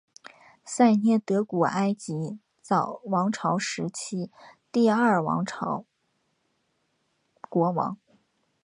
塞涅德古埃及早王朝时期第二王朝国王。